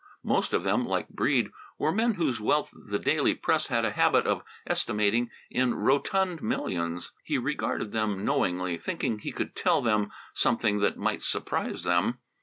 Most of them, like Breede, were men whose wealth the daily press had a habit of estimating in rotund millions. He regarded them knowingly, thinking he could tell them something that might surprise them.